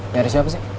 nyari siapa sih